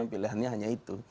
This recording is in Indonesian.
pilihannya hanya itu